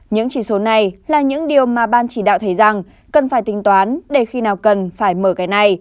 những chỉ số này là những điều mà ban chỉ đạo thấy rằng cần phải tính toán để khi nào cần phải mở cái này